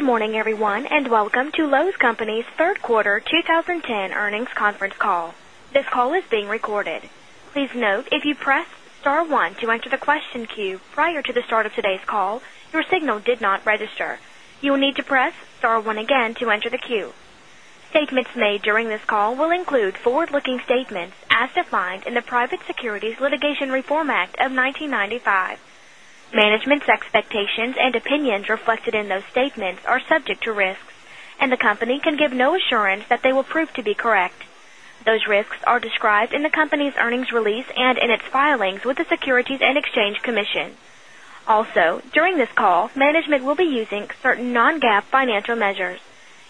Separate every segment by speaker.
Speaker 1: Good morning, everyone, and welcome to Loews Company's Third Quarter 2010 Earnings Conference Call. This call is being recorded. Statements made during this call will include forward looking statements as defined in the Private Securities Litigation Reform Act of 1995. Management's expectations and opinions reflected in those statements are subject to risks, and the company can give no assurance that they will prove to be correct. Those risks are described in the company's earnings release and in its filings with the Securities and Exchange Commission. Also, during this call, management will be using certain non GAAP financial measures.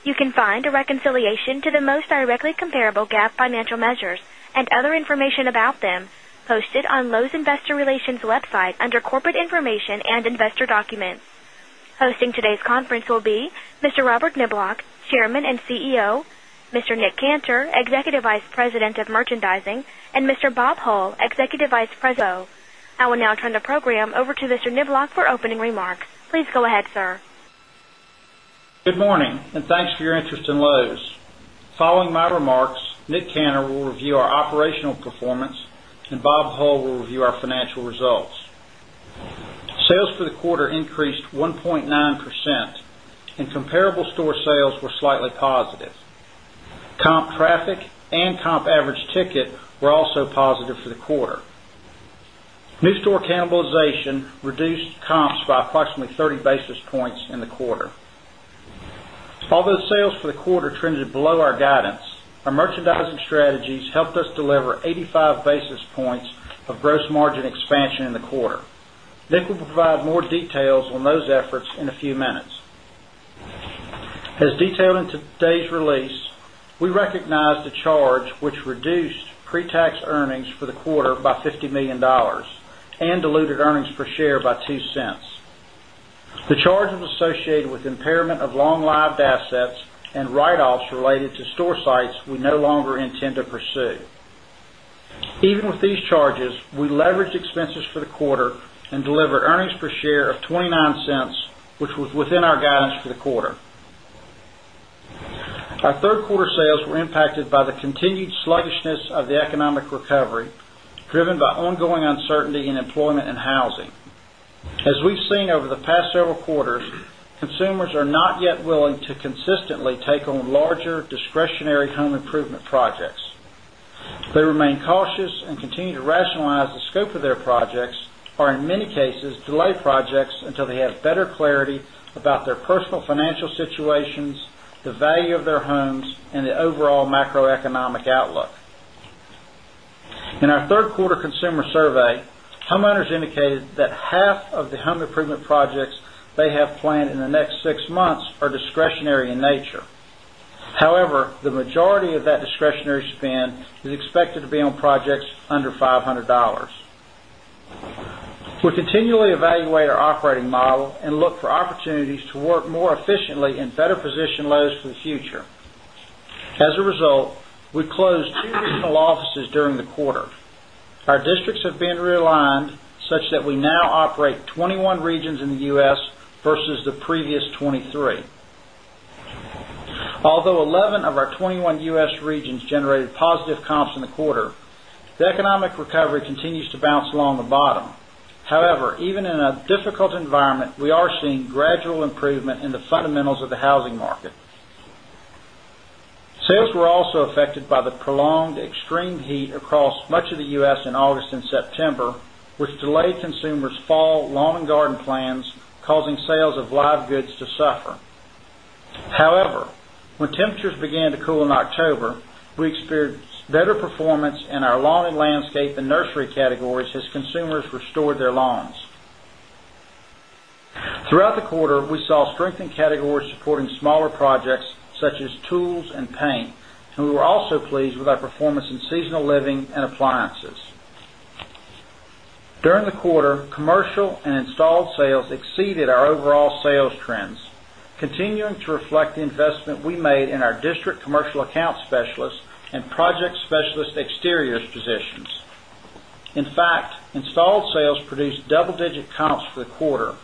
Speaker 1: You can find a reconciliation to the most directly comparable GAAP financial measures and other information about them posted on Loews' Investor Relations website under Corporate Information and Investor Documents. Hosting today's conference will be Mr. Robert Kniblock, Chairman and CEO Mr. Nick Kanter, Executive Vice President of Merchandising and Mr. Bob Hull, Executive Vice President of Investor Relations. I will now turn the program over to Mr. Kniblock for opening remarks. Please go ahead, sir.
Speaker 2: Good morning and thanks for your interest in Loews. Following my remarks, Nick Canner will review our operational performance and Bob Hull will review our financial results. Sales for the quarter increased 1.9% and comparable store sales were slightly positive. Comp traffic and comp average ticket were also positive for the quarter. New store cannibalization reduced comps by approximately 30 basis points in the quarter. Although sales for the quarter trended below our guidance, our merchandising strategies helped us deliver 85 basis points of gross margin expansion in the quarter. Nick will provide more details on those efforts in a few minutes. As detailed in today's release, we recognized a charge which reduced pre tax earnings for the quarter by $50,000,000 and diluted earnings per share by $0.02 The charge was associated with impairment of long lived assets and write offs related to store sites we no longer intend to pursue. Even with these charges, we leveraged expenses for the quarter and delivered earnings per share of $0.29 which was within our guidance for the quarter. Our Q3 sales were impacted by the continued sluggishness of the economic recovery, driven by ongoing uncertainty in employment and housing. As we've seen over the past several quarters, consumers are not yet willing to consistently take on larger discretionary home improvement projects. They remain cautious and continue to rationalize the scope of their projects or in many cases delay projects until they have better clarity about their personal financial situations, the value of their homes and the overall macroeconomic outlook. In our Q3 consumer survey, homeowners indicated that half of the home improvement projects they have planned in the next 6 months are discretionary in nature. However, the majority of that discretionary spend is expected to be on projects under $500 We continually evaluate our operating model and look for opportunities to work more efficiently and better position Lowe's for the future. As a result, we closed 2 regional offices during the quarter. Our districts have been realigned such that we now operate 21 regions in the U. S. Versus the previous 23. Although 11 of our 21 U. S. Regions generated positive comps in the quarter, the economic fundamentals of the housing market. Sales were also affected by the prolonged extreme heat across much of the U. S. In August September, which delayed consumers' fall lawn and garden plans, causing sales of live goods to suffer. However, when temperatures began to cool in October, we experienced better performance in our lawn and landscape and nursery categories as consumers restored their lawns. Throughout the quarter, we saw strength in categories supporting smaller projects such as tools and paint, and we were also pleased with our performance in seasonal living and appliances. During the quarter, commercial and installed sales exceeded our overall sales trends, continuing to reflect the investment we made in our district commercial account specialists and project specialist exteriors positions. In fact, installed sales produced double digit comps for the quarter,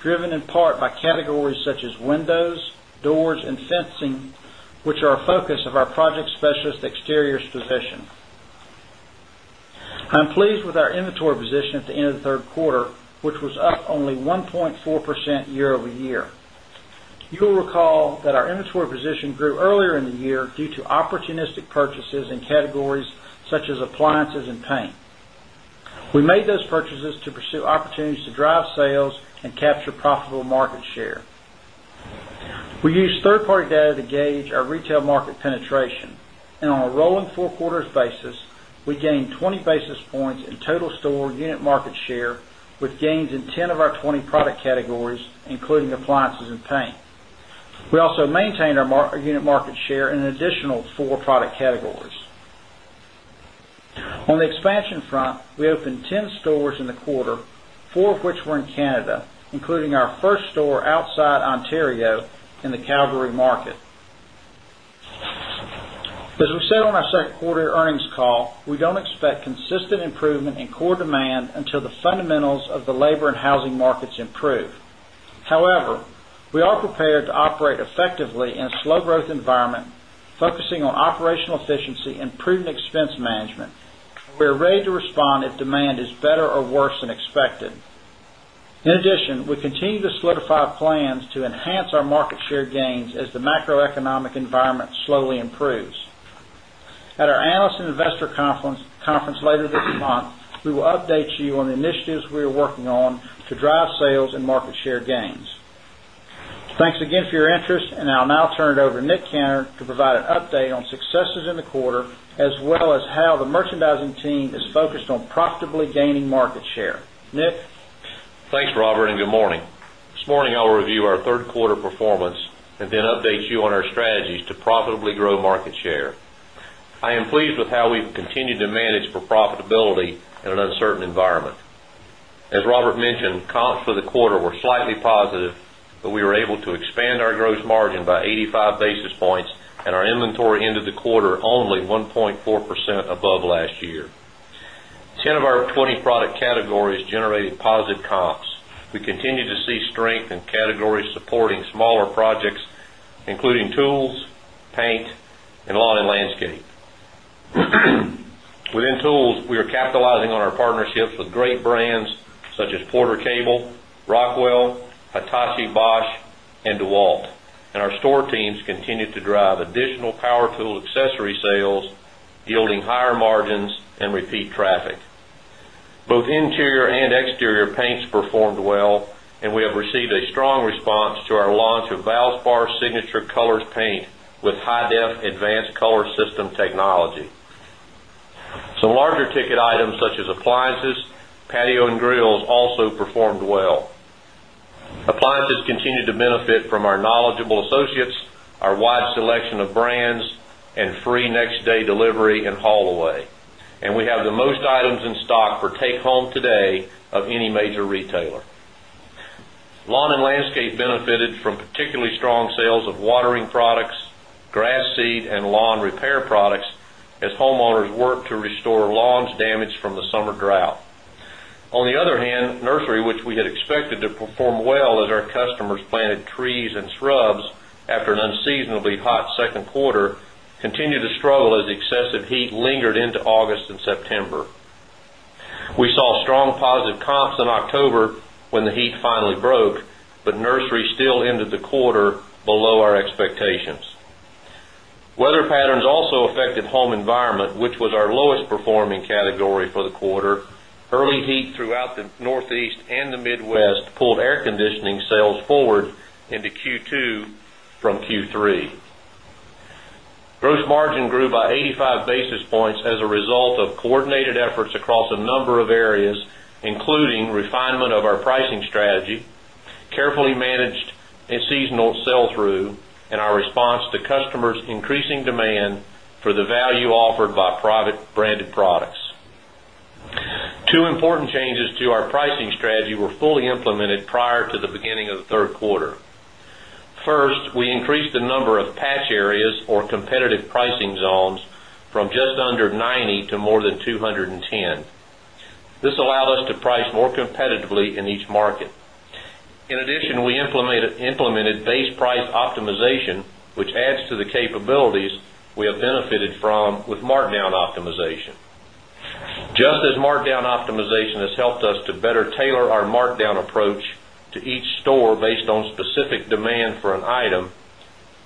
Speaker 2: driven in part by categories such as windows, doors and fencing, which are a focus of our project specialist exteriors position. I'm pleased with our inventory position at the end of the 3rd quarter, which was up only 1.4% year over year. You will recall that our inventory position grew earlier in the year due to opportunistic purchases in categories such as appliances and paint. We made those purchases to pursue opportunities to drive sales and capture profitable market share. We use third party data to gauge our retail market penetration. And on a rolling 4 quarters basis, we gained 20 basis points in total store unit market share with gains in 10 of our 20 product categories, including appliances and paint. We also maintained our unit market share in additional 4 product categories. On the expansion front, we opened 10 stores in the quarter, 4 of which were in Canada, including our first store outside Ontario in the Calgary market.
Speaker 3: As we said
Speaker 2: on our 2nd quarter earnings call, we don't expect consistent improvement in core demand until the fundamentals of the labor and housing markets improve. However, we are prepared to operate effectively in a slow growth environment, focusing on operational efficiency and prudent expense management. We are ready to respond if demand is better or worse than expected. In addition, we continue to solidify plans to enhance our market share gains as the macroeconomic environment slowly improves. At our Analyst and Investor Conference later this month, we will update you on the initiatives we are working on to drive sales and market share gains. Thanks again for your interest, and I'll now turn it over to Nick Cannon to provide an update on successes in the quarter as well as how the merchandising team is focused on profitably gaining market share.
Speaker 4: Nick? Thanks, Robert, and good morning. This morning, I'll review our Q3 performance and then update you on our strategies to profitably grow market share. I am pleased with how we've continued to manage for profitability in an uncertain environment. As Robert mentioned, comps for the quarter were slightly positive, but we were able to expand our gross margin by 85 basis points and our inventory ended the quarter only 1.4% above last
Speaker 3: 10 of
Speaker 4: our 20 product categories generated positive comps. We continue to see strength in categories supporting smaller projects, including tools, paint and lawn and landscape. Within tools, we are capitalizing on our partnerships with great brands such as Porter Cable, Rockwell, Hitachi Bausch and DEWALT. And our store teams continue to drive additional power tool accessory sales, yielding higher margins and repeat traffic. Both interior and exterior paints performed well, and we have received a strong response to our launch of Valspar Signature Colors paint with high def advanced color system technology. Some larger ticket items such as appliances, patio and grills also performed well. Appliances continue to benefit from our knowledgeable associates, our wide selection of brands and free next day delivery and haul away. And we have the most items in stock for take home today of any major retailer. Lawn and landscape benefited from particularly strong sales of watering products, grass seed and lawn repair products as homeowners work to restore lawns damage from the summer drought. On the other hand, nursery, which we had expected to perform well as our customers planted trees and shrubs after an unseasonably hot second quarter continue to struggle as excessive heat lingered into August September. We saw strong positive comps in October when the heat finally broke, but nursery still ended the quarter below our expectations. Weather patterns also affected home environment, which was our lowest performing category for the quarter. Early heat throughout the Northeast and the Midwest pulled air conditioning sales forward into Q2 from Q3. Gross margin grew by 85 basis points as a result of coordinated efforts across a number of areas, including refinement of our pricing strategy, carefully managed a seasonal sell through and our response to customers' increasing demand for the value offered by private branded products. 2 important changes to our pricing strategy were fully implemented prior to the beginning of Q3. First, we increased the number of patch areas or competitive pricing zones from just under 90 to more than 210. This allowed us to price more competitively in each market. In addition, we implemented base price optimization, which adds to the capabilities we have benefited from with markdown optimization. Just as markdown optimization has helped us to better tailor our markdown approach to each store based on specific demand for an item,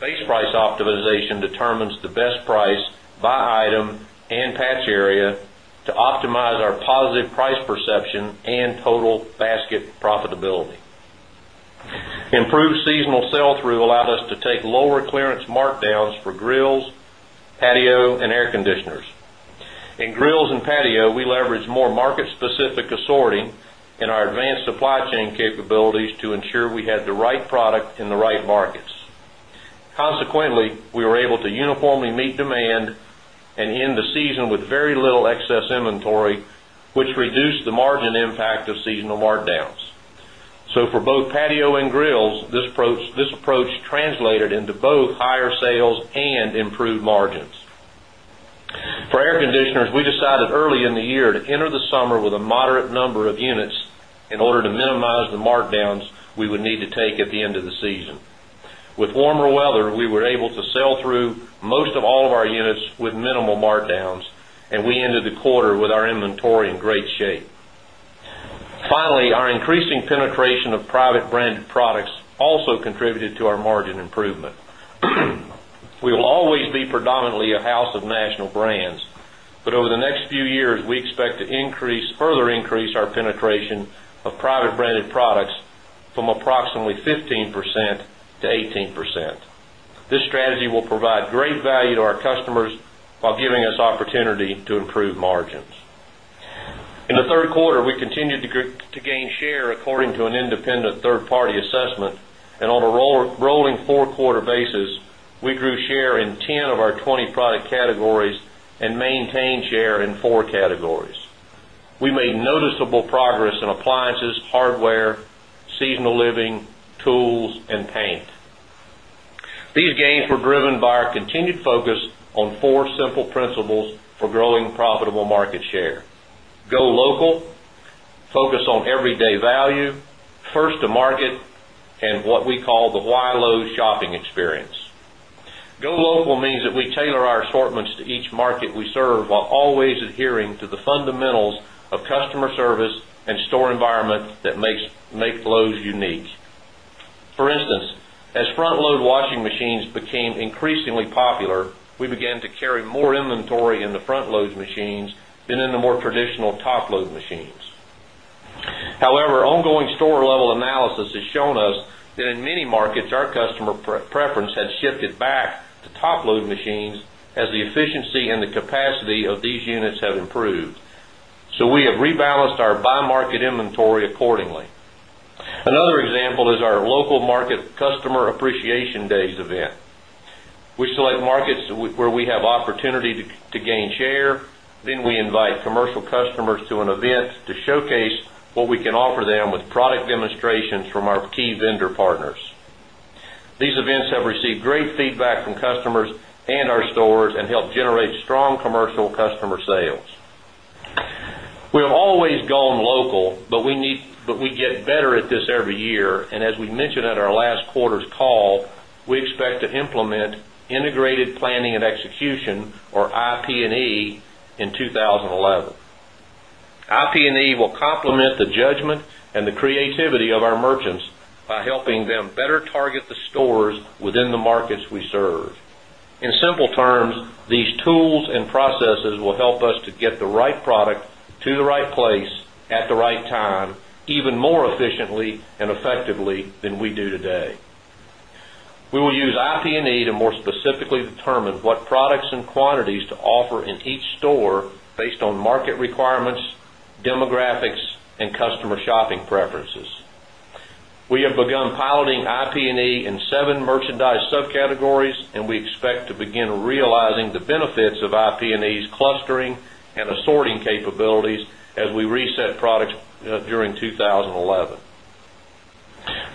Speaker 4: base price optimization determines the best price by item and patch area to optimize our positive price perception and total basket profitability. Improved seasonal sell through allowed us to take lower clearance markdowns for grills, patio and air conditioners. In grills and patio, we leveraged more market specific assorting in our advanced supply chain capabilities to ensure we had the right product in the right markets. Consequently, we were able to uniformly meet demand and end the season with very little excess inventory, which reduced the margin impact of seasonal markdowns. So for both patio and grills, this approach translated into both higher sales and improved margins. For air conditioners, we decided early in the year to enter the summer with a moderate number of units in order to minimize the markdowns we would need to take at the end of the season. With warmer weather, we were able to sell through most of all of our units with minimal markdowns and we ended the quarter with our inventory in great shape. Finally, our increasing penetration of private branded products also contributed to our margin improvement. We will always be predominantly a house of national brands, but over the next few years, we expect to further increase our penetration of private branded products from approximately 15% to 18%. This strategy will provide great value to our customers, while giving us opportunity to improve margins. In the Q3, we continued to gain share according to an independent third party assessment. And on a rolling 4 quarter basis, we grew share in 10 of our 20 product categories and maintained share in 4 categories. We made noticeable progress in appliances, hardware, seasonal living, tools and paint. Gains were driven by our continued focus on 4 simple principles for growing profitable market share. Go local, focus on everyday value, first to market and what we call the why low shopping experience. Go local means that we tailor our assortments to each market we serve while always adhering to the fundamentals of customer service and store environment that make Lowe's unique. For instance, as front load washing machines became increasingly popular, we began to carry more inventory in the front load machines than in the more traditional top load machines. However, ongoing store level analysis has shown us that in many markets, our customer preference had shifted back to top load machines as the efficiency and the capacity of these units have improved. So we have rebalanced our by market inventory accordingly. Another example is market customer appreciation days event. We select markets where we have opportunity to gain share, then we invite commercial customers to an event to showcase what we can offer them with product demonstrations from key vendor partners. These events have received great feedback from customers and our stores and help generate strong commercial customer sales. We have always gone local, need but we get better at this every year and as we mentioned at our last quarter's call, we expect to implement integrated planning and execution or IP and E in 2011. IP IP and E will complement the judgment and the creativity of our merchants by helping them better target the stores within the markets we serve. In simple terms, these tools and processes will help us to get the right product to the right place at the right time even more efficiently and effectively than we
Speaker 5: do today.
Speaker 4: We will use IP and E to more specifically determine what products and quantities to offer in each store based on market requirements, demographics and customer shopping preferences. We have begun piloting IP and E in 7 merchandise subcategories and we expect to begin realizing the benefits of IP and E's clustering and assorting capabilities as we reset products during 2011.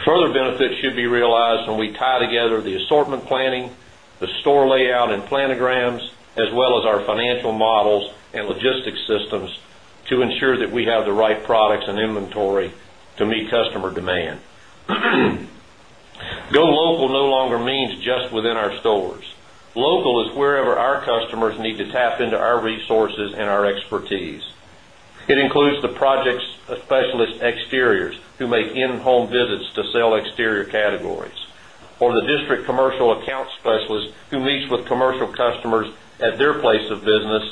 Speaker 4: Further benefits should be realized when we tie together the assortment planning, the store layout and planograms, as well as our financial models and logistics systems to ensure that we have the right products and inventory to meet customer demand. Go local no longer means just within our stores. Local is wherever our customers need to tap into our resources and our expertise. It includes the projects specialist exteriors who make in home visits to sell exterior categories or the district commercial account specialist who meets with commercial customers at their place of business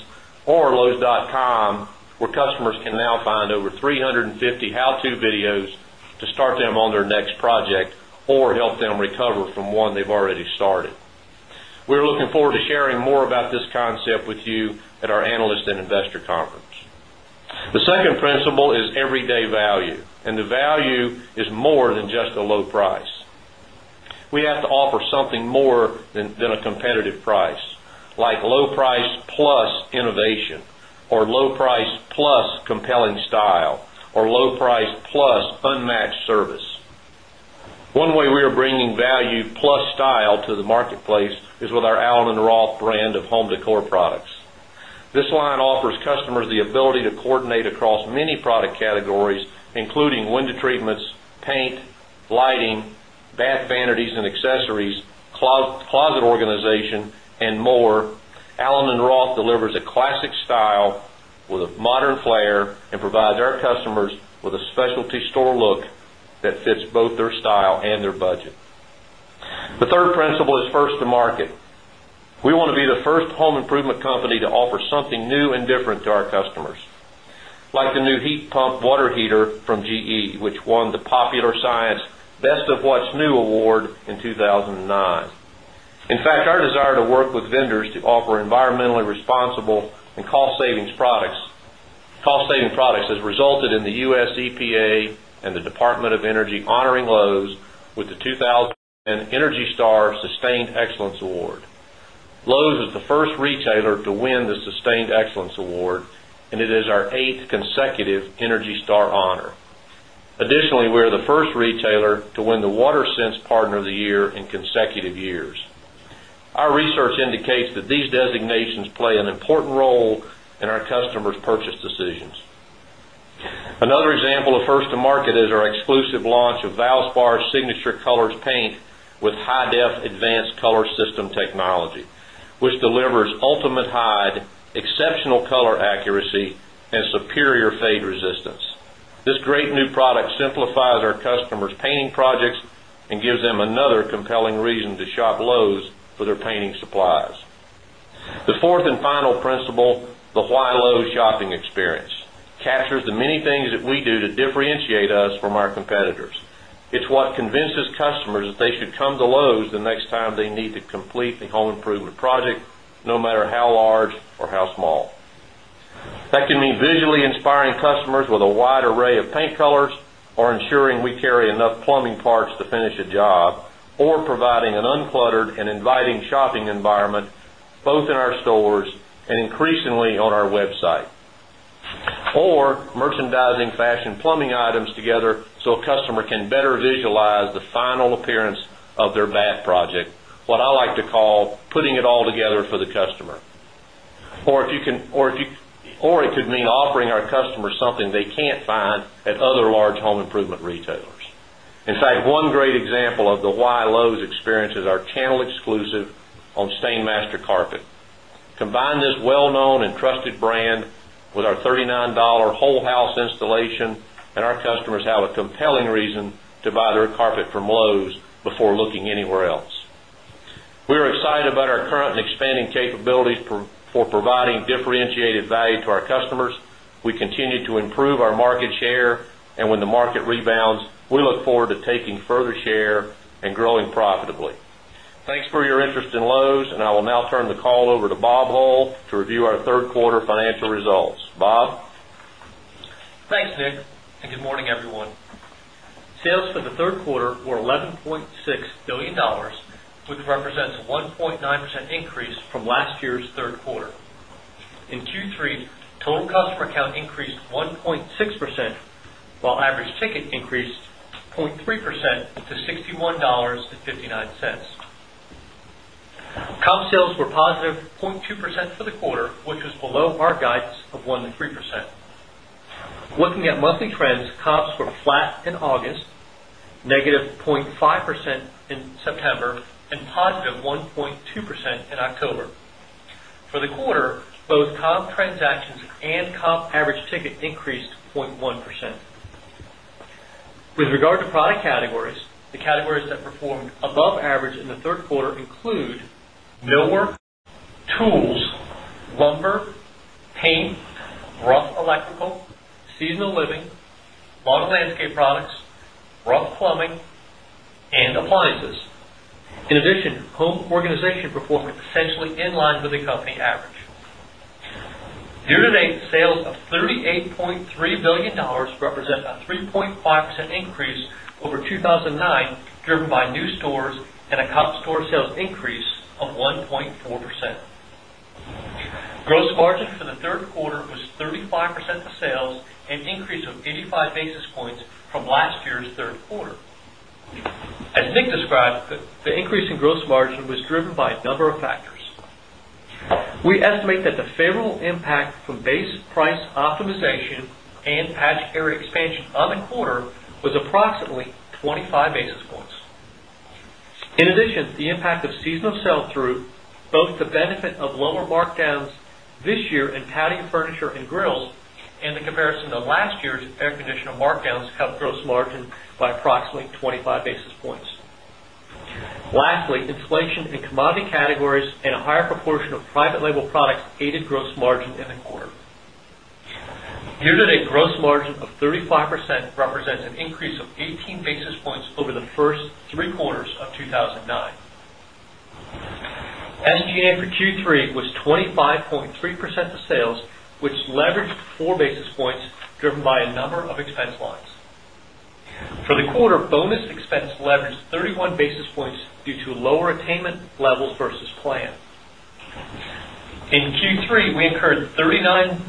Speaker 4: or loews.com where customers can now find over 350 how to videos to start them on their next project or help them recover from one they've already started. We're looking forward to sharing more about this concept with you at our Analyst and Investor Conference. The second principle is everyday value, and the value is more than just a low price. We have to offer something more than a competitive price, like low price plus innovation or low price plus compelling style or low price plus unmatched service. One way we are bringing value plus style
Speaker 6: to the marketplace is with our Allen and Roth brand of
Speaker 4: home decor products. Place is with our Allen and Roth brand of home decor products. This line offers customers the ability to coordinate across many product categories, including window treatments, paint, lighting, bath vanities and accessories, closet organization and more, Allen and Roth delivers a classic style with a modern flair and provides our customers with a specialty store look that fits both their style and their budget. The 3rd principle is first to market. We want to be the 1st home improvement company to offer something new and different to our customers, like the new heat pump water heater from GE, which won the Popular Science Best of What's New Award in 2,009. In fact, our desire to work with vendors to offer environmentally responsible and cost saving products has resulted in the U. S. EPA and the Department of Energy honoring Lowe's with the 2019 ENERGY STAR Sustained Excellence Award. Lowe's is the 1st retailer to win the Sustained Excellence Award and it is our 8th consecutive ENERGY STAR STAR honor. Additionally,
Speaker 7: we are
Speaker 4: the 1st retailer to win the WaterSense Partner of the Year in consecutive years. Our research indicates that these designations play an important role in our customers' purchase decisions. Another example of first to market is our exclusive launch of Valspar's signature colors paint with high def advanced color system technology, which delivers ultimate hide, exceptional color accuracy and superior fade resistance. This great new product simplifies our customers painting projects and gives them another compelling reason to shop Lowe's for their painting supplies. The 4th and final principle, the why Lowe's shopping experience, captures the many things that we do to differentiate us from our competitors. It's what convinces customers that they should come to Lowe's the next time they need to complete the home improvement project, no matter how large or how small. That can mean visually inspiring customers with a wide array of paint colors or ensuring we carry enough plumbing parts to finish a job or providing an uncluttered inviting shopping environment both in our stores and increasingly on our website or merchandising fashion plumbing items together so a customer can better visualize the final appearance of their bath project, what I like to call putting it all together for the customer. Or it could mean offering our customers something they can't find at other large home improvement retailers. In fact, one great example of the why Lowe's experience is our channel exclusive on Stainmaster carpet. Combine this well known and trusted brand with our $39 whole house installation and our customers have a compelling reason to buy their carpet from Lowe's before looking anywhere else. We are excited about our current and expanding capabilities for providing differentiated value to our customers. We continue to improve our market share and when the market rebounds, we look forward to taking further share and growing profitably. Thanks for your interest in Loews. And I will now turn the call over to Bob Lowell to review our Q3 financial results. Bob?
Speaker 3: Thanks, Nick, and good morning, everyone. Sales for the Q3 were $11,600,000,000 which represents 1.9% increase from last year's Q3. In Q3, total customer count increased 1 0.6%, while average ticket increased 0.3 percent to $61.59 Comp sales were positive 0.2% for the quarter, which was below our guidance of 1% to 3%. Looking at monthly trends, comps were flat in August, negative 0.5% in September and positive 1.2% in October. For the quarter, both comp transactions and comp average ticket increased 0.1%. With regard to product categories, the categories that performed above average in the Q3 include millwork, tools, lumber, paint, rough electrical, seasonal living, lawn landscape products, rough plumbing and appliances. In addition, home organization performed essentially in line with the company average. Year to date, sales of $38,300,000,000 represent a 3.5% increase over 2,009, driven by new and a comp store sales increase of 1.4%. Gross margin for the 3rd quarter was 35% of sales, an increase of 85 basis points from last year's Q3. As Nick described, the increase in gross margin was driven by a number of factors. We estimate that the favorable impact from base price optimization and patch area expansion on the quarter was approximately 25 basis points. In addition, the impact of seasonal sell through, both the benefit of lower markdowns this year in patio furniture and grills and the comparison to last year's air conditioner markdowns have gross margin by approximately 25 basis points. Lastly, inflation in commodity categories and a higher proportion of private label products aided gross margin in the quarter. Year to date gross margin of 35% represents an increase of 18 basis points over the 1st 3 quarters of 2,009. SG and A for Q3 was 25.3% of sales, which leveraged 4 basis points, driven by a number of expense lines. For the quarter, bonus expense leveraged 31 basis points due to lower attainment levels versus plan. In Q3, we incurred $39,000,000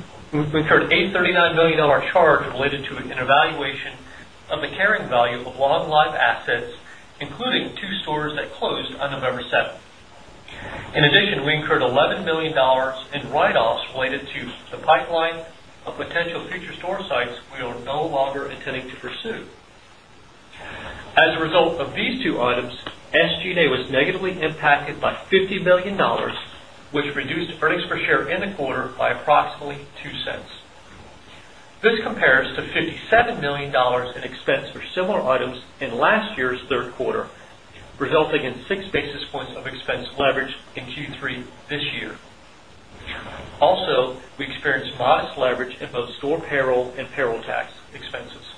Speaker 3: we incurred $839,000,000 charge related an evaluation of the carrying value of long lived assets, including 2 stores that closed on November 7. In addition, we incurred $11,000,000 in write offs related to the pipeline of potential future store sites we are no longer intending to pursue. As a result of these two items, SG and A was negatively impacted by $50,000,000 which reduced earnings per share in the quarter by approximately $0.02 This compares to $57,000,000 in expense for similar items in last year's Q3, resulting in 6 basis points of expense leverage in Q3 this year. Also, we experienced modest leverage in both store payroll and payroll tax expenses.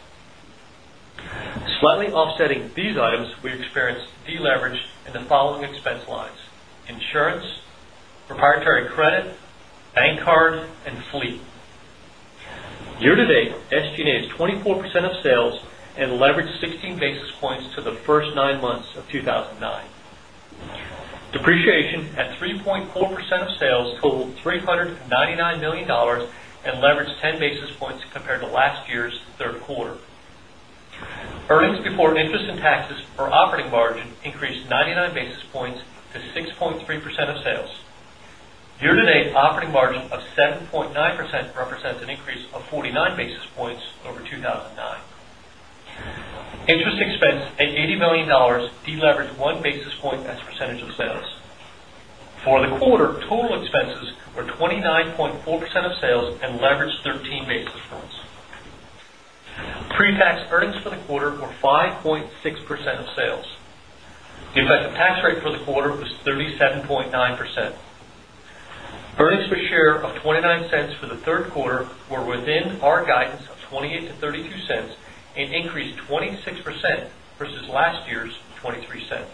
Speaker 3: Slightly offsetting these items, we experienced deleverage in the following expense lines, insurance, proprietary credit, bank card and fleet. Year to date, SG and A is 24% of sales and leveraged 16 basis points to the 1st 9 months of 2,009. Depreciation at 3.4 percent of sales totaled $399,000,000 and leveraged 10 basis points compared to last year's Q3. Earnings before interest and taxes for operating margin increased 99 basis points to 6 point 3% of sales. Year to date, operating margin of 7.9 percent represents an increase of 49 basis points over 2,009. Interest expense at $80,000,000 deleveraged 1 basis point as a percentage of sales. For quarter, total expenses were 29.4 percent of sales and leveraged 13 basis points. Pre tax earnings for the quarter were 5.6% of sales. The effective tax rate for the quarter was 37.9%. Earnings per share of $0.29 for the 3rd quarter were within our guidance of $0.28 to $0.32 and increased 26% versus last year's $0.23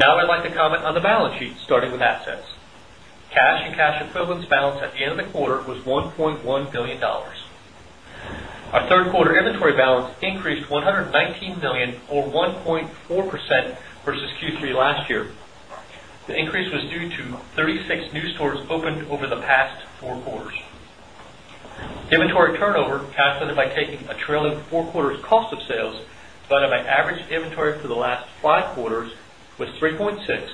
Speaker 3: Now, I'd like to comment on the balance sheet, starting with assets. Cash and cash equivalents balance at the end of the quarter was $1,100,000,000 Our 3rd quarter inventory balance increased $119,000,000 or 1.4 percent versus Q3 Q3 last year. The increase was due to 36 new stores opened over the past 4 quarters. Inventory turnover calculated by taking a trailing 4 quarters cost of sales, but in my average inventory for the last 5 quarters was 3.6%,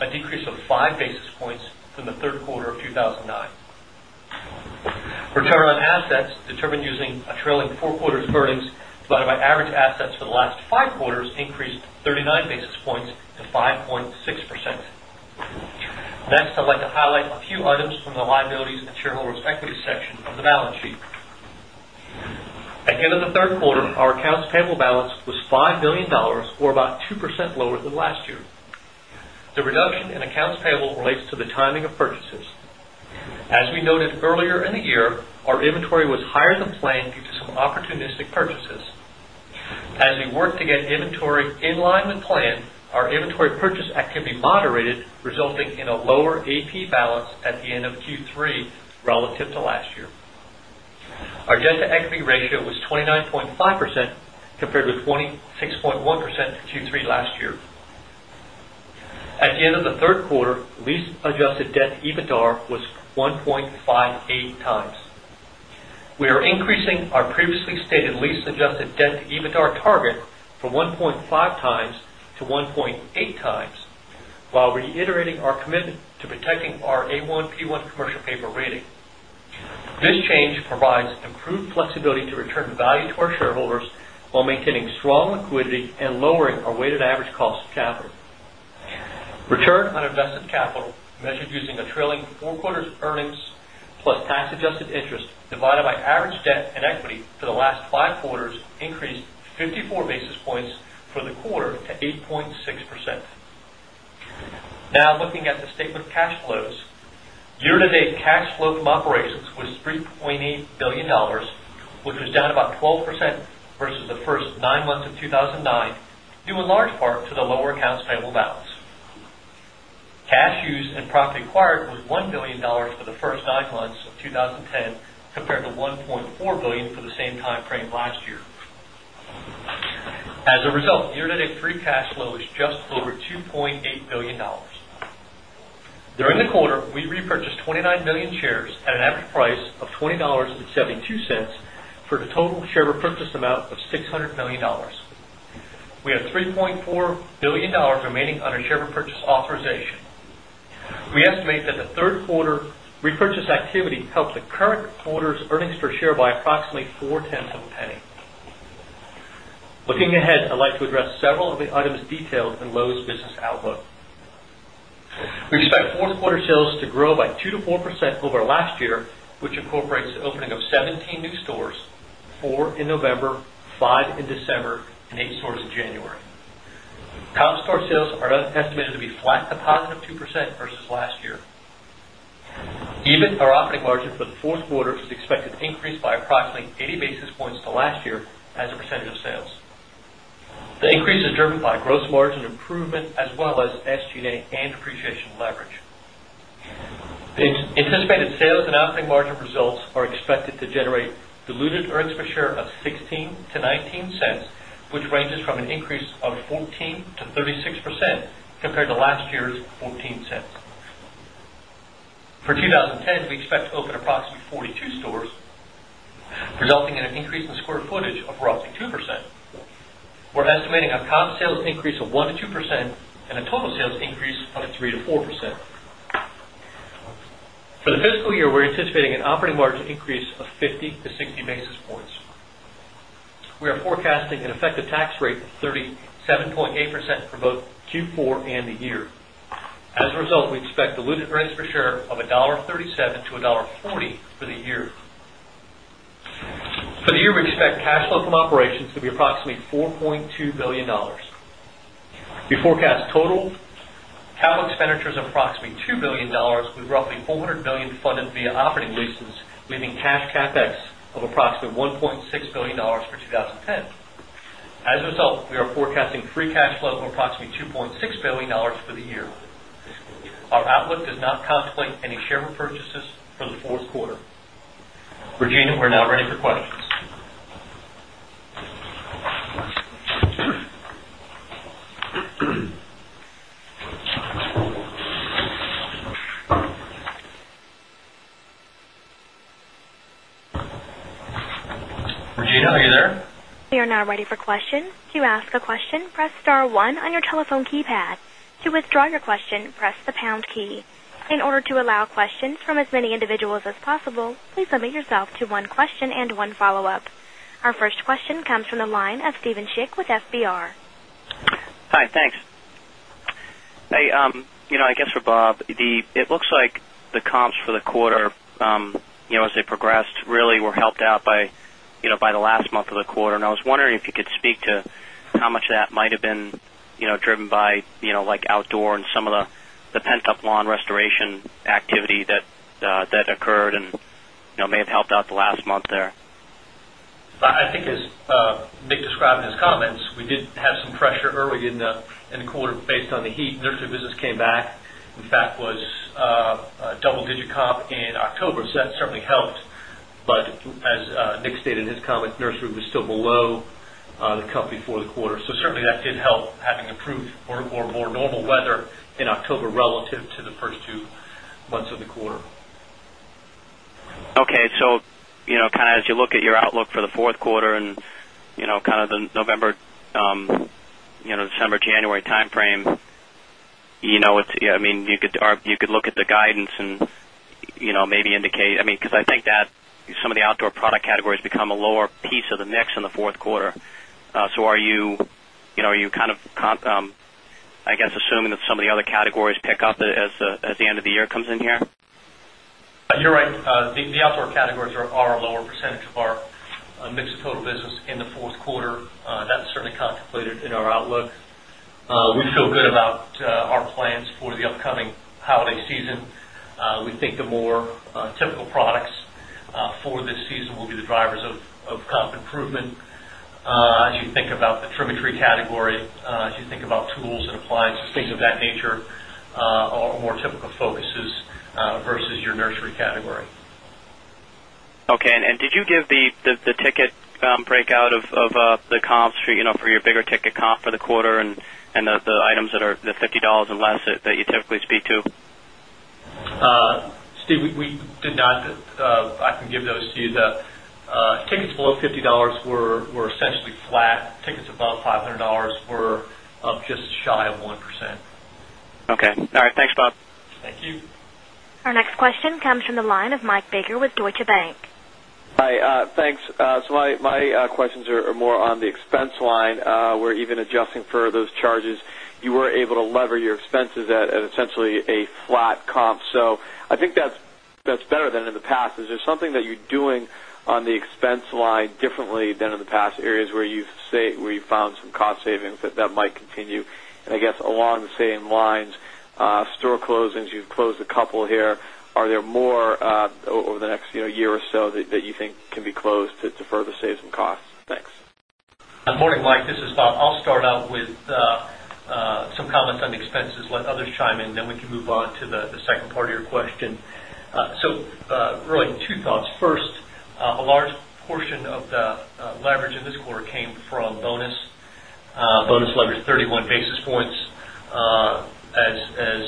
Speaker 3: a decrease of 5 basis points from the Q3 of 2,009. Return on assets determined using a trailing 4 quarters earnings, but our average assets for the last 5 quarters increased 39 basis points to 5.6%. Next, I'll points to 5.6%. Next, I'd like to highlight a few items from the liabilities and shareholders' equity section of the balance sheet. At the end of the Q3, our accounts payable balance was 5 $1,000,000,000 or about 2% lower than last year. The reduction in accounts payable relates to the timing of purchases. As we noted earlier in the year, our inventory was higher than planned due to some opportunistic purchases. As we work to get inventory in line with plan, our inventory purchase activity moderated, resulting in a lower AP balance at the end of Q3 relative to last year. Our debt to equity ratio was 29.5% compared with 20 6.1% in Q3 last year. At the end of the 3rd quarter, lease adjusted debt to EBITDAR was 1.58 times. We are increasing our previously stated lease adjusted debt to EBITDAR target from 1.5x to 1.8x, while reiterating our commitment to protecting our A1P1 commercial paper rating. This change provides improved flexibility to return value to our shareholders, while maintaining strong liquidity and lowering our weighted average cost of capital. Return on invested capital measured using a trailing 4 quarters earnings plus tax adjusted interest divided by average debt and equity for the last 5 quarters increased 54 basis points for the quarter to 8.6%. Now looking at the statement of cash flows. Year to date
Speaker 6: cash flow from operations was $3,800,000,000 which
Speaker 3: was down about 12% from operations was $3,800,000,000 which was down about 12% versus the 1st 9 months of 2,009 due in large part to the lower accounts payable balance. Cash used and profit acquired was $1,000,000,000 for the 1st 9 months of 2010, compared to $1,400,000,000 for the same timeframe last year. As a result, year to date free cash flow was just over $2,800,000,000 During quarter, we repurchased 29,000,000 shares at an average price of $20.72 for the total share repurchase amount of $600,000,000 We have $3,400,000,000 remaining under share repurchase authorization. We estimate that the 3rd quarter repurchase activity helped the current quarter's earnings per share by approximately 0.4p. Looking ahead, I'd like to address several of the items detailed in Loews' business outlook. We expect 4th quarter sales to grow by 2% to 4% over last year, which incorporates the opening of 17 new stores, 4 in November, 5 in December and 8 stores in January. Comstar sales are estimated to flat to positive 2% versus last year. EBIT, our operating margin for the Q4, is expected to increase by approximately 80 basis points to last year as a percentage of sales. The increase is driven by gross margin improvement as well as SG and A and depreciation leverage. The anticipated sales and operating margin results are expected to generate diluted earnings per share of $0.16 to 0 point 1 $9 which ranges from an increase of 14
Speaker 1: percent to
Speaker 3: 36% compared to last year's $0.14 For 20 10, we expect to open approximately 42 stores, resulting in an increase in square footage of roughly 2 percent. We're estimating our comp sales increase of 1% to 2% and a total sales increase of 3% to 4%. For the fiscal year, we're anticipating an operating margin increase of 50 to 60 basis points. We are forecasting an effective tax rate of 37.8 percent for both Q4 and the year. As a result, we expect diluted earnings per share of $1.37 to $1.40 for the year.
Speaker 6: For the
Speaker 3: year, we expect cash flow from operations to be approximately $4,200,000,000 We forecast total capital expenditures of approximately $2,000,000,000 with roughly $400,000,000 funded via operating leases, leaving cash CapEx of approximately $1,600,000,000 for 20.10. As a result, we are forecasting free cash flow of approximately $2,600,000,000 for the year. Our outlook does not contemplate any share repurchases for the Q4. Regina, we're now ready for questions. Regina, are you there?
Speaker 1: We are now ready for Our first question comes from the line of Steven Shick with FBR.
Speaker 8: Hi, thanks.
Speaker 9: I guess for Bob, it looks like the comps for the quarter as they progressed really were helped out by the last month of the quarter. And I was wondering if you could speak to how much of that might have been driven by like outdoor and some of the pent up lawn restoration activity that occurred and may have helped out the last month there?
Speaker 3: I think as Nick described in his comments, we did have some pressure early in the quarter based on the heat. Nursery business came back, in fact was double digit comp in October. So that certainly helped. But as Nick stated in his comment, nursery was still below the before the quarter. So certainly that did help having improved or more normal weather in October relative to the 1st 2 months of the quarter.
Speaker 9: Okay. So kind of as you look at your outlook for the Q4 and kind of the November December, January timeframe, I mean, you could look at the guidance and maybe indicate I mean, because I think that some of the outdoor product categories become a lower piece of the mix in the Q4. So are you kind of, I guess, assuming that some of the other categories pick up as the end of the year comes in here?
Speaker 3: You're right. The outdoor categories are a lower percentage of our mix of total business in the Q4. That's certainly contemplated in our outlook. We feel good about our plans for the upcoming holiday season. We think the more typical products for this season will be the drivers of comp improvement.
Speaker 6: As you
Speaker 3: think about the trifectory category, as you think about tools and appliances, things of that nature, more typical focuses versus your nursery category.
Speaker 9: Okay. And did you give the ticket breakout of the comps for your bigger ticket comp for the quarter and the items that are the $50 or less that you typically speak to?
Speaker 3: Steve, we did not I can give those to you. The tickets below $50 were essentially flat, tickets above 500 were up just shy of 1%.
Speaker 8: Okay. All right. Thanks, Bob.
Speaker 3: Thank you.
Speaker 1: Our next question comes from the line of Mike Baker with Deutsche Bank.
Speaker 5: Hi. Thanks. So, my questions are more on the expense line. We're even adjusting for those charges. You were able to lever your expenses at essentially a flat comp. So I think that's better than in the past. Is there something that you're doing on the expense line differently than in the past areas where you found some cost savings that might continue? And I guess along the same lines, store closings, you've closed a couple here. Are there more over the next year or so that you think can be closed to further save some costs? Thanks.
Speaker 3: Good morning, Mike. This is Bob. I'll start out with some comments on expenses, let others chime in, then we can move on to the second part of your question. So, really two thoughts. First, a large portion of the leverage in this quarter came from bonus leverage 31 basis points. As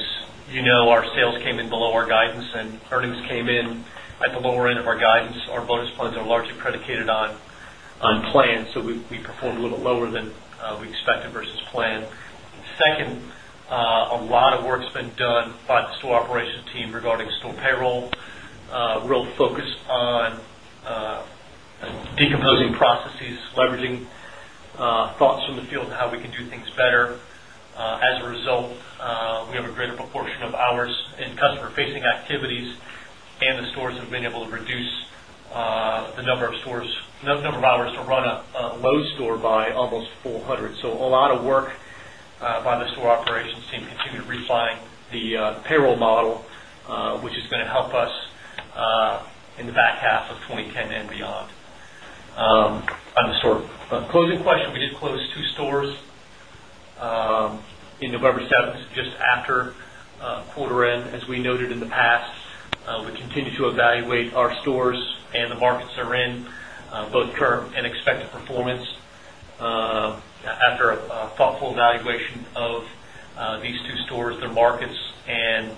Speaker 3: you know, our sales came in below our guidance and earnings came in at the lower end of our guidance. Our bonus plans are largely predicated on plan. So, we performed a little lower than we expected versus plan. 2nd, a lot of work has been done by the store operations team regarding store payroll, real focus on decomposing processes, leveraging thoughts from the field, how we can do things better. As a result, we have a greater proportion of hours in customer facing activities and the stores have been able to reduce the number of stores number of hours to run a Lowe's store by almost 400. So, a lot of work by the store operations team continue to refine the payroll model, which is going to help us in the back half of twenty ten and beyond. On the store closing question, we did close 2 stores in November 7, just after quarter end. As we noted in the past, we continue to evaluate our
Speaker 6: stores and the markets are in,
Speaker 3: both current and evaluate our stores and the markets are in both current and expected performance. After a thoughtful valuation of these two stores, their markets and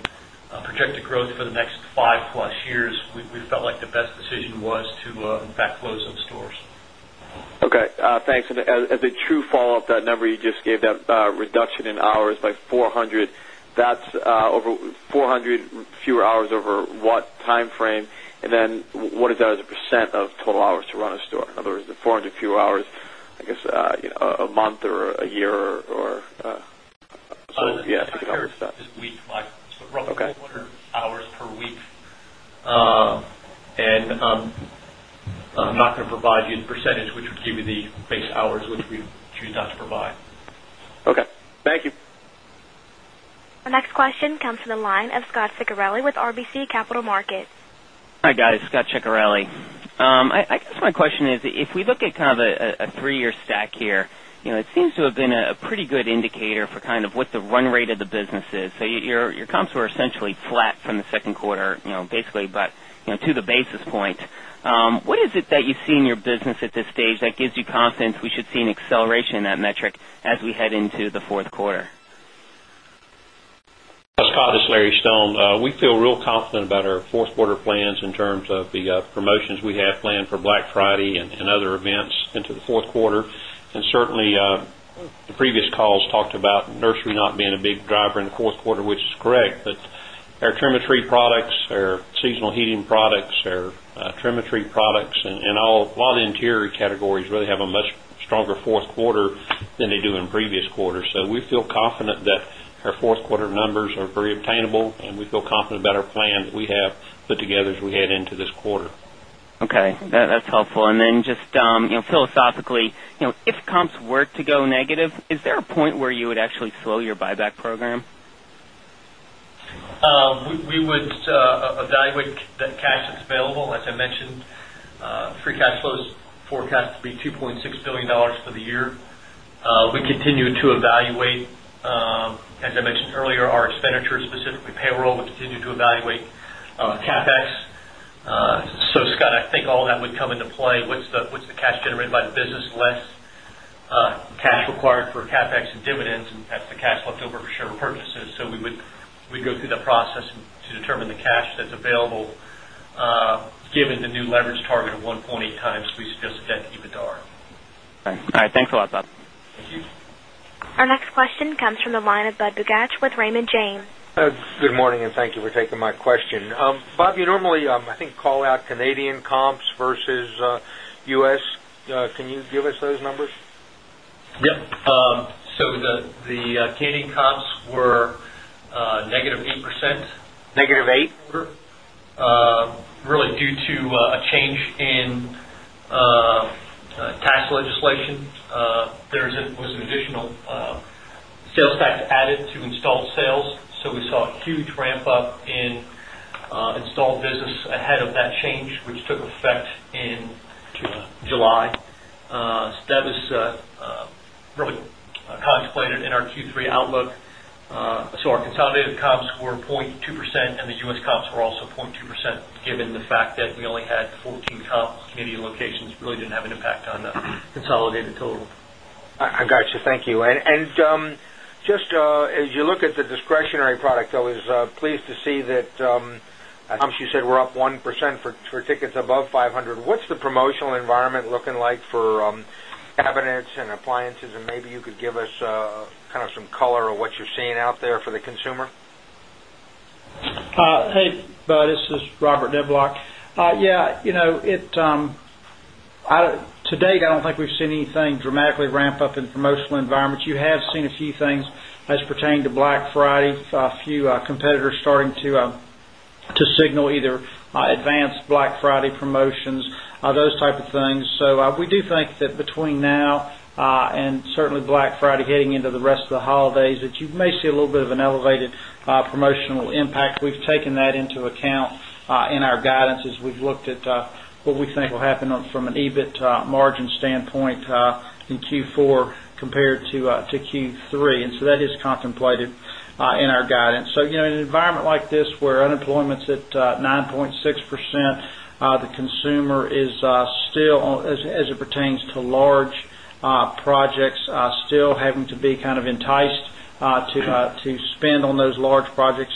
Speaker 3: projected growth for the next 5 plus years, we felt like the best decision was to in fact close some stores.
Speaker 5: Okay. Thanks. And as a true follow-up, that number you just gave, that reduction in hours by 400, that's over 400 fewer hours over what timeframe? And then what is that as a percent of total hours to run a store? In other words, the 400 fewer hours, I guess, a month or a year or
Speaker 3: so, yes, if
Speaker 6: you could help
Speaker 5: with that.
Speaker 3: Okay. So, roughly a quarter hours per week. And I'm not going to provide you the percentage, which would give you the base hours, which we choose not to provide. Okay. Thank you.
Speaker 1: The next question comes from the line of Scot Ciccarelli with RBC Capital Markets.
Speaker 10: Hi, guys. Scot Ciccarelli. I guess my question is, if we look at kind of a 3 year stack here, it seems to have been a pretty good indicator for kind of what the run rate of the business is. So your comps were essentially flat from the Q2 basically about to the basis point. What is it that you see in your business at this stage that gives you confidence we should see an acceleration in that metric as we head into the Q4?
Speaker 11: Scott, this is Larry Stone. We feel real confident about our Q4 plans in terms of the promotions we have planned for Black Friday and other events into the Q4. And certainly, the previous calls talked about nursery not being a big driver in the Q4, which is correct, but our trimetry products, our seasonal heating products, our trimetry products and all lot interior categories really have a much stronger Q4 than they do in previous quarters. So we feel confident that our 4th quarter numbers are very obtainable and we feel confident about our plan that we have put together as we head into this quarter.
Speaker 10: Okay, that's helpful. And then just philosophically, if comps were to go negative, is there a point where you would actually slow your buyback program?
Speaker 3: We would evaluate that cash available. As I mentioned, free cash flow is forecast to be $2,600,000,000 for the year. We continue to evaluate, as I mentioned earlier, our expenditures, specifically payroll, we continue to evaluate CapEx. So, Scott, I think all that would come into play. What's the cash generated by the business, less cash required for CapEx and dividends and that's the cash left over for share repurchases. So, we would go through the process to determine the cash that's available given the new leverage target of 1.8 times we suggest debt to EBITDAR.
Speaker 8: All right. Thanks a lot, Bob.
Speaker 7: Thank you.
Speaker 1: Our next question comes from the line of Budd Bugatch with Raymond James.
Speaker 12: Good morning and thank you for taking my question. Bob, you normally, I think, call out Canadian comps versus U. S. Can you give us those numbers?
Speaker 3: Yes. So the Canadian comps were negative 8% really due to a change in tax legislation. There was an additional sales tax added to installed sales. So, we saw a huge ramp up in installed business ahead of that change, which took effect in July. That was really contemplated in our Q3 outlook. So, our consolidated comps were 0.2% and the U. S. Comps were also 0.2%, given the fact that we only had 14 comps Canadian locations really didn't have an impact on the consolidated total.
Speaker 12: I got you. Thank you. And just as you look at the discretionary product, I was pleased to see that, you said we're up 1% for tickets above 500. What's the promotional environment looking like for cabinets and appliances? And maybe you could give us kind of some color on what you're seeing out there for the consumer?
Speaker 2: Hey, Budd, this is Robert Nedbloch. Yes, to date, I don't think we've seen anything dramatically ramp up in promotional environments. You have seen a few things as it pertains to Black Friday, a few competitors starting to signal either advanced Black Friday promotions, those type of things. So we do think that between now and certainly Black Friday getting into the rest of the holidays that you may see a little bit of an elevated promotional impact. We've taken that into account in our guidance as we've looked at what we think will happen from an EBIT margin standpoint in Q4 Q4 compared to Q3. And so that is contemplated in our guidance. So, in an environment like this where unemployment is at 9.6%, the consumer is still as it pertains to large projects, still having to be kind of enticed to spend on those large projects.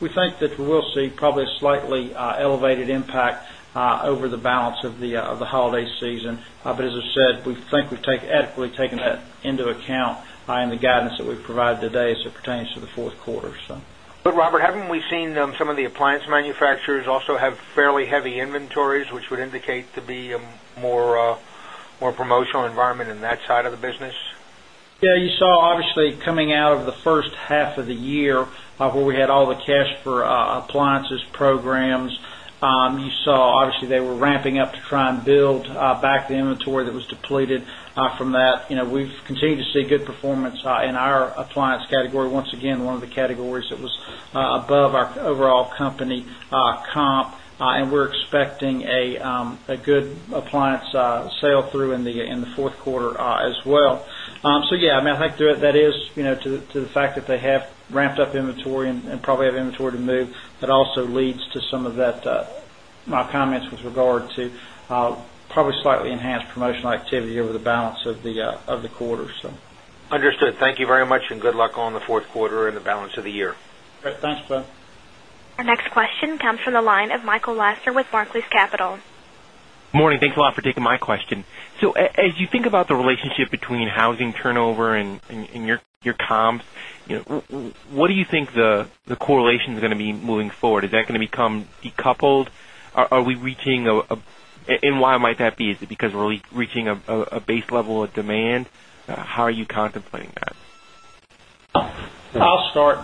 Speaker 2: We think that we will see probably a slightly elevated impact over the balance of the holiday season. But as I said, we think we've adequately taken that into account in the guidance that we've provided today as it pertains to the Q4.
Speaker 12: But Robert, haven't we seen some of the appliance manufacturers also have fairly heavy inventories, which would indicate to be a more promotional environment in that side of the business?
Speaker 2: Yes, you saw obviously coming out of the first half of the year where we had all the cash for appliances programs, you saw obviously they were ramping up to try and build back the inventory that was depleted from that. We've continued to see good performance in our appliance category. Once again, one of the categories that was above our overall company comp, and we're expecting a good appliance sale through in the Q4 as well. So yes, I mean, I think that is to the fact that they have ramped up inventory and probably have inventory to move, that also leads to some of that my comments with regard to probably slightly enhanced promotional activity over the balance of the quarter.
Speaker 12: Understood. Thank you very much and good luck on the Q4 and the balance of the year.
Speaker 2: Thanks, Ben.
Speaker 1: Our next question comes from the line of Michael Lasser with Barclays Capital.
Speaker 7: Good morning. Thanks a lot for taking my question. So as you think about the relationship between housing turnover and your comps, what do you think the correlation is going to be moving forward? Is that going to become decoupled? Are we reaching and why might that be? Is it because we're reaching a base level of demand? How are you contemplating that?
Speaker 2: I'll start,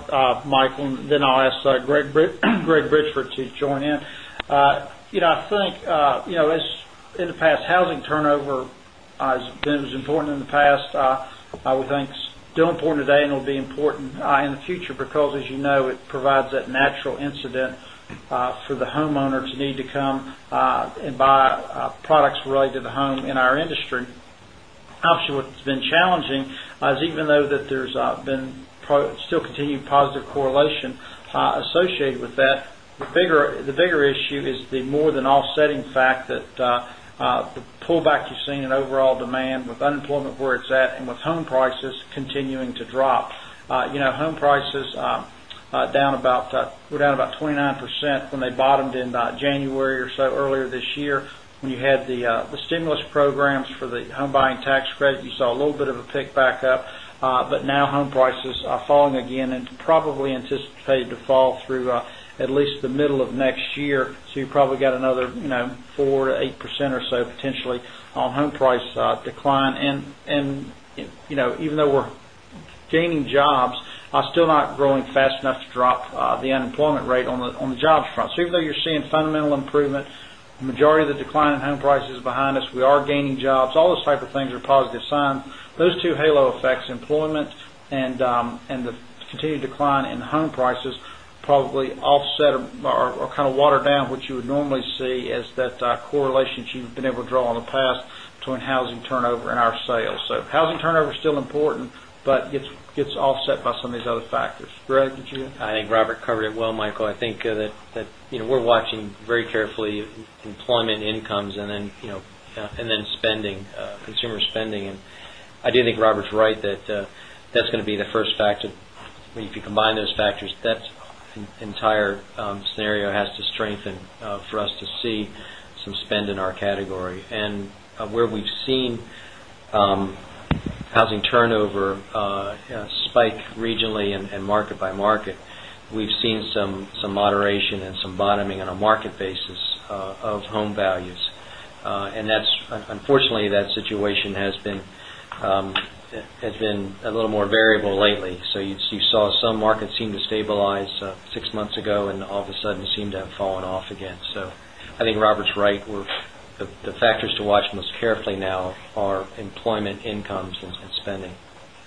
Speaker 2: Michael, and then I'll ask Greg Bridgeford to join in. I think, as in the past, housing turnover has been important in the past. I would think still important today and will be important in the future because, as you know, it provides that natural incident for the homeowner to need to come and buy products related to the home in our industry. Obviously, what's been challenging is even though there's been still continued positive correlation associated with that, the bigger issue is the more than offsetting fact that the pullback you've seen in overall demand with unemployment where it's at and with home prices continuing to drop. Home prices down about were down about 29% when they bottomed in January or so earlier this year. When you had the stimulus programs for the home buying tax credit, you saw a little bit of a pickup, but now home prices are falling again and probably anticipated to fall through at least the middle of next year. So you probably got another 4% to 8% or so potentially on home price decline. And even though we're gaining jobs are still not growing fast enough to drop the unemployment rate on the jobs front. So even though you're seeing fundamental improvement, majority of the decline in home prices behind us, we are gaining jobs, all those type of things are positive sign. Those 2 halo effects, employment and the continued decline in home prices probably offset or kind of watered down what you would normally see as that correlation you've been able to draw in the past to an housing turnover and our sales. So housing turnover is still important, but it gets offset by some of these other factors. Greg, did you add?
Speaker 3: I think Robert covered it
Speaker 13: well, Michael. I think that we're watching very carefully employment incomes and then spending, consumer spending. I do think Robert is right that that's going to be the first factor. I mean, if you combine those factors, that entire scenario has to strengthen for us to see some spend in our category. And where we've seen housing turnover spike regionally and market by market, we've seen some moderation and some bottoming on a market basis of home values. And that's unfortunately, that situation has been a little more variable lately. So you saw some markets seem to stabilize 6 months ago and all of a sudden seem to have fallen off again. So I think Robert's right, the factors to watch most carefully now are employment incomes and spending.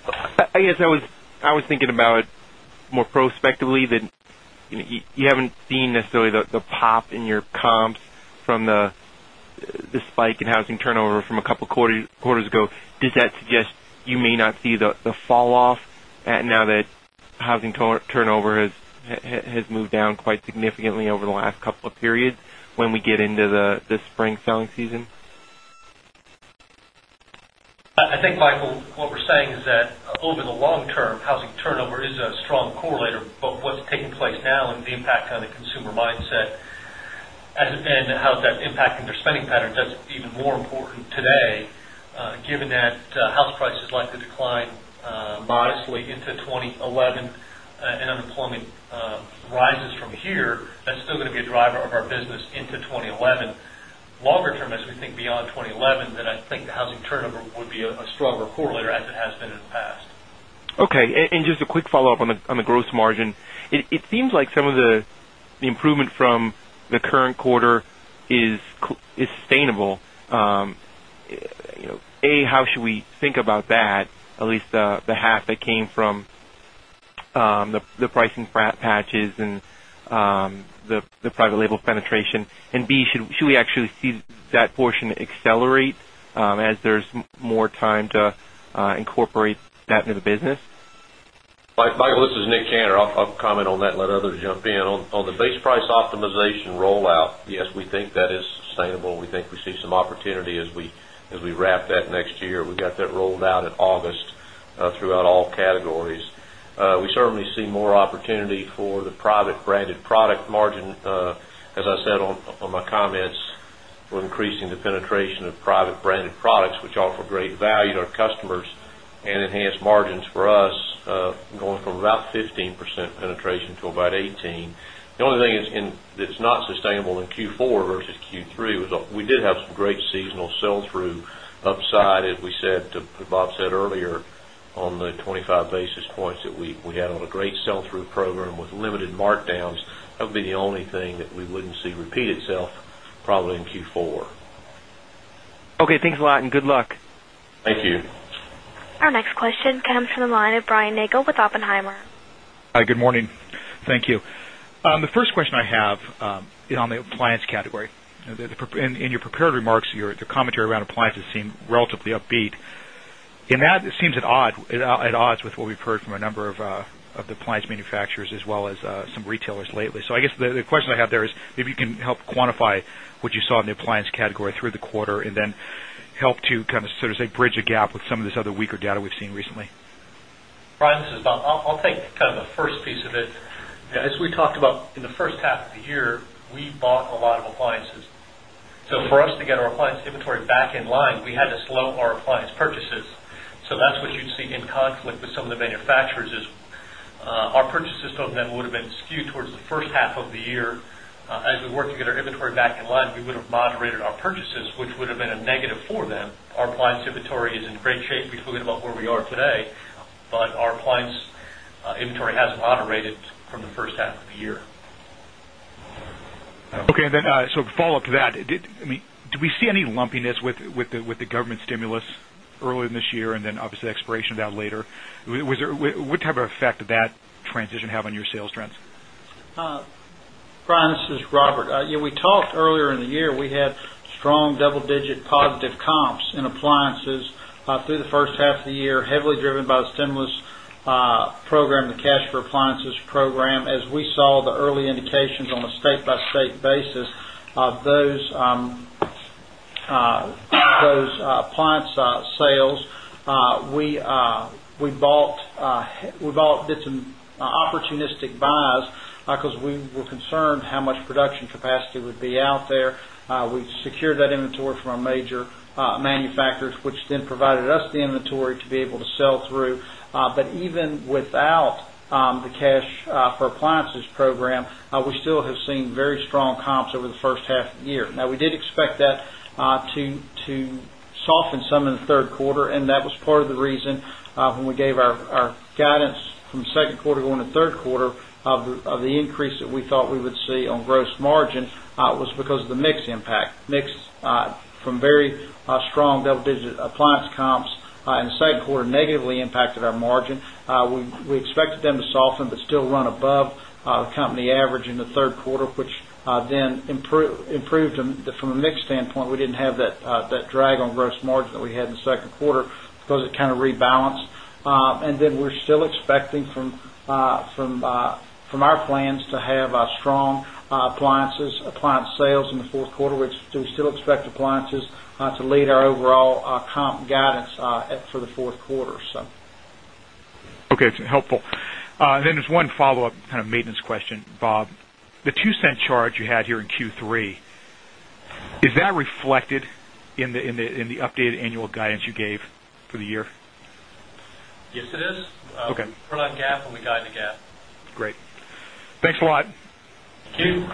Speaker 7: I guess I was thinking about more prospectively than you haven't seen necessarily the pop in your comps from the spike in housing turnover from a couple of quarters ago, does that suggest you may not see the fall off now that housing turnover has moved down quite significantly over the last couple of periods when we get into the spring selling season?
Speaker 3: I think, Michael, what we're saying is that over the long term, housing turnover is a strong correlator, both what's taking place now and the impact on the consumer mindset and how that's impacting their spending that's even more important today given that house prices like to decline modestly into 2011 and unemployment rises from here, that's still going to be a driver of our business into 2011. Longer term, as we think beyond 2011, then I think the housing turnover would be a stronger correlator as it has been in the past.
Speaker 7: Okay. And just a quick follow-up on the gross margin. It seems like some of the improvement from the current quarter sustainable. A, how should we think about that, at least the half that came from the pricing frat patches and private label penetration? And B, should we actually see that portion accelerate as there's more time to incorporate that into the business?
Speaker 4: Michael, this is Nick Shanter. I'll comment on that and let others jump in. On the base price optimization rollout, yes, we think that is sustainable. We think we see some opportunity as we wrap that next year. We got that rolled out in August throughout all categories. We certainly see more opportunity for the private branded product margin. As I said on my comments, we're increasing the penetration of private branded products, which offer great value to our customers and enhance margins for us going from about 15% penetration to about 18%. The only thing is that's not sustainable in Q4 versus Q3. We did have some great seasonal sell through upside as we said, Bob said earlier, on the 25 basis points that we on a great sell through program with limited markdowns, that would be the only thing that we wouldn't see repeat itself probably in Q4.
Speaker 7: Okay. Thanks a lot and good luck. Thank you.
Speaker 1: Our next question comes from the line of Brian Nagel with Oppenheimer.
Speaker 14: Hi, good morning. Thank you. The first question I have on the appliance category, in your prepared remarks your commentary around appliances seem relatively upbeat. And that seems at odds with what we've heard from a number of appliance manufacturers as well as some retailers lately. So I guess the question I have there is, maybe you can help quantify what you saw in the appliance category through the quarter and then help to kind of sort of say bridge a gap with some of this other weaker data we've seen recently?
Speaker 3: Brian, this is Bob. I'll take kind of the first piece of it. As we talked about in the first half of the year, we bought
Speaker 4: a lot of appliances. So, for us
Speaker 3: to get our appliance inventory back in line, we had to slow our appliance purchases. So, that's what you'd see in conflict with some of the manufacturers is our purchases for them would have been skewed towards the first half of the year. As we work to get our inventory back in line, we would have moderated our purchases, which would have been a negative for them. Our appliance inventory is in great shape. We're talking about where we are today, but our appliance inventory hasn't moderated from the first half of the year.
Speaker 14: Okay. And then, so follow-up to that, I mean, do we see any lumpiness with the government stimulus earlier this year and then obviously expiration of that later? Was there what type of effect did that transition have on your sales trends?
Speaker 2: Brian, this is Robert. We talked earlier in the year, we had strong double digit positive comps in appliances through the first half of the year, heavily driven by the stimulus program, the cash for appliances program, as we saw the early indications on a state by state basis of those appliance sales. We bought did some opportunistic buys because we were concerned how much production capacity would be out there. Secured that inventory from our major manufacturers, which then provided us the inventory to be able to sell through. But even without the cash for appliances program, we still have seen very strong comps over the first half of the year. Now we did expect that to soften some in the Q3 and that was part of the reason when we gave our guidance from Q2 going to Q3 of the increase that we thought we would see on gross margin was because of the mix impact. Mix from very strong double digit appliance comps in the 2nd quarter negatively impacted our margin. We expected them to soften, but still run above company average in the Q3, which then improved from a mix standpoint. We didn't have that drag on gross margin that we had in the Q2 because it kind of rebalanced. And then we're still expecting from our plans to have strong appliances, appliance sales in the Q4, which we still expect appliances to lead our overall comp guidance for the Q4.
Speaker 14: Okay, helpful. Then just one follow-up kind of maintenance question, Bob. The $0.02 charge you had here in Q3, is that reflected in the updated annual guidance you gave for the year?
Speaker 3: Yes, it is. Okay. Put on GAAP when we guide the GAAP. Great.
Speaker 14: Thanks a lot.
Speaker 3: Thank you.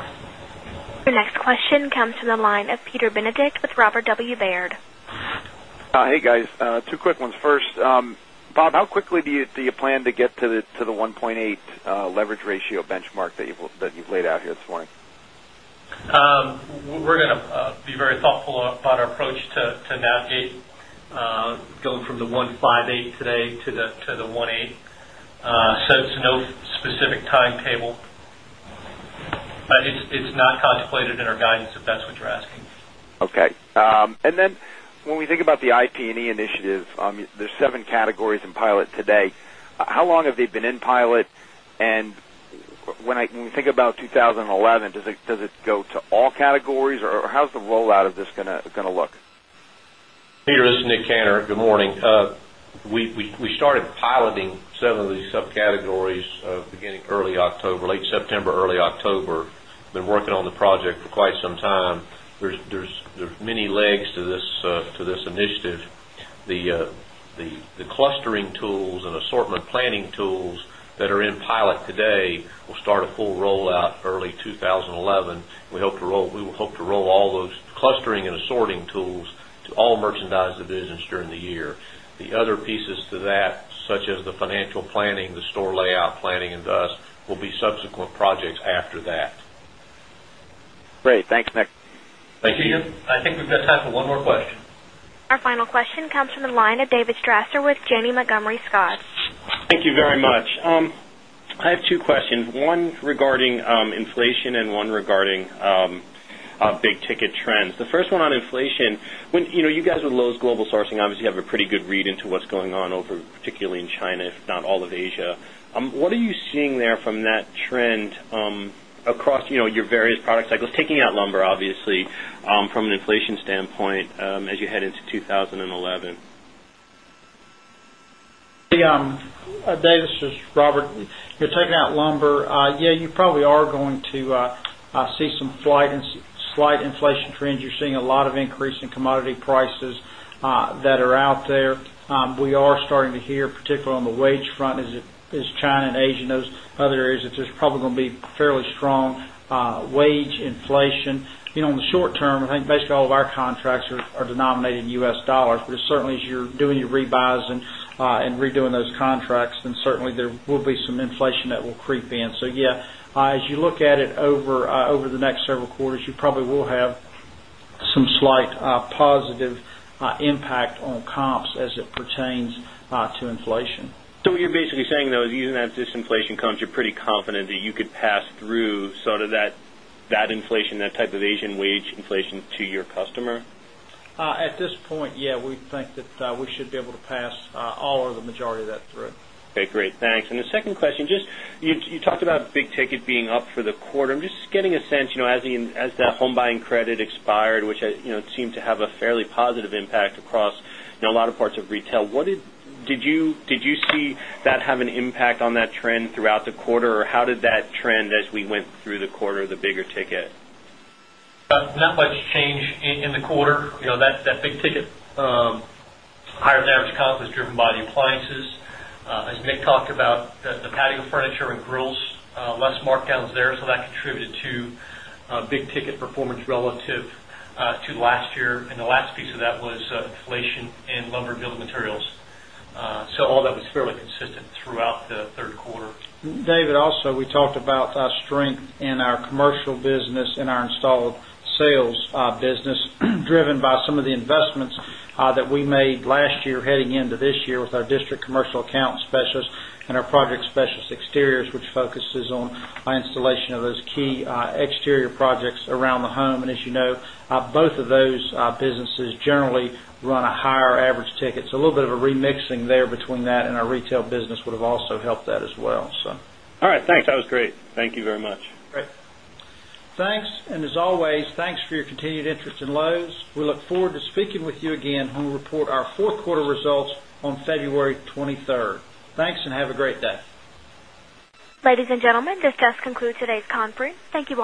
Speaker 1: Your next question comes from the line of Peter Benedict with Robert W. Baird.
Speaker 6: Hey, guys. Two quick ones. First, Bob, how quickly do you plan to get to the 1.8 leverage ratio benchmark that you've laid out here this morning?
Speaker 3: We're going to be very thoughtful about our approach to navigate going from the 1.5 8 today to the 1.8. So, it's no specific timetable. It's not contemplated in our guidance if that's what you're asking.
Speaker 6: Okay. And then, when we think about the IP and E initiative, there are 7 categories in pilot today. How long have they been in pilot? And when I think about 2011, does it go to all categories or how is the rollout of this going to look?
Speaker 4: Peter, this is Nick Canner. Good morning. We started piloting some of these subcategories beginning early October, late September, early October. We've been working on the project for quite some time. There's many legs to this initiative. The clustering tools and assortment planning tools that are in pilot today will start a full rollout early 2011. We hope to roll we will hope to roll all those clustering and assorting tools to all merchandise divisions during the year. The other pieces to that such as the financial planning, the store layout planning and thus will be subsequent projects after that.
Speaker 9: Great. Thanks, Nick.
Speaker 3: Thank you. I think we've got time for one more question.
Speaker 1: Our final question comes from the line of David Strasser with Janney Montgomery Scott.
Speaker 8: Thank you very much. I have two questions, one regarding inflation and one regarding big ticket trends. The first one on inflation, when you guys with Lowe's Global Sourcing, obviously, you have a pretty good read into what's going on over particularly in China, if not all of Asia. What are you seeing there from that trend across your various product cycles, taking out lumber obviously from an inflation standpoint as you head into 2011?
Speaker 2: Dave, this is Robert. You're taking out lumber. Yes, you probably are going to some slight inflation trends. You're seeing a lot of increase in commodity prices that are out there. We are starting to hear, particularly on the wage front, as China and Asia and those other areas, it's just probably going be fairly strong wage inflation. In the short term, I think basically all of our contracts are denominated in U. S. Dollars, but certainly as you're doing your rebuys and redoing those contracts, then certainly there will be some inflation that will creep in. So yes, as you look at it over the next several quarters, you probably will have some slight positive impact on comps as it pertains to inflation.
Speaker 8: So what you're basically saying though is using that disinflation comps, you're pretty confident that you could pass through sort of that inflation, that type of Asian wage inflation to your customer?
Speaker 2: At this point, yes, we think that we should be able to pass all of the majority of that through.
Speaker 8: Okay, great. Thanks. And the second question, just you talked about big ticket being up for the quarter. I'm just getting a sense as the home buying credit expired, which seemed to have a fairly positive impact across a lot of impact across a lot of parts of retail, what did did you see that have an impact on that trend throughout the quarter? Or how did that trend as we went through the quarter, the bigger ticket?
Speaker 3: Not much changed in the quarter. That big ticket higher average comp was driven by the appliances. As Nick talked about, the patio furniture and grills, less markdowns there. So that contributed to big ticket performance relative to last year and the last piece of that was inflation in lumber building materials. So all that was fairly consistent throughout the Q3.
Speaker 2: David, also we talked about the strength in our commercial business and our installed sales business, driven by some of the investments that we made last year heading into this year with our district commercial account specialists and our project specialist exteriors, which focuses on installation of those key exterior projects around the home. And as you know, both of those businesses generally run a higher average ticket. So a little bit of a remixing there between that and our retail business would have also helped that as well.
Speaker 8: All right. Thanks. That was great. Thank you very much.
Speaker 2: Great. Thanks. And as always, thanks for your continued interest in Loews. We look forward to speaking with you again when we report our Q4 results on February 23. Thanks, and have a great day.
Speaker 1: Ladies and gentlemen, this does conclude today's conference. Thank you